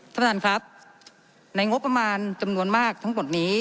ท่านประธานครับในงบประมาณจำนวนมากทั้งหมดนี้